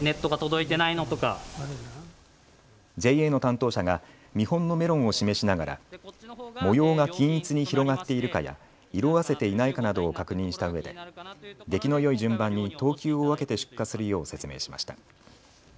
ＪＡの担当者が見本のメロンを示しながら模様が均一に広がっているかや色あせていないかなどを確認したうえで出来のよい順番に等級を分けて出荷するよう説明しました。